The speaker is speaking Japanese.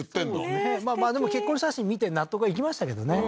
すてきでも結婚写真見て納得はいきましたけどね